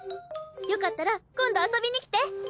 よかったら今度遊びに来て。